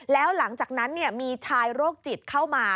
แล้วหลังจากนั้นมีชายโรคจิตเข้ามา